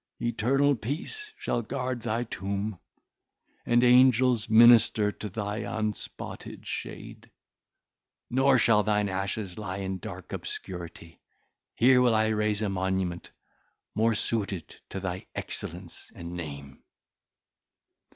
—eternal peace shall guard thy tomb, and angels minister to thy unspotted shade; nor shall thine ashes lie in dark obscurity here will I raise a monument, more suited to thy excellence and name."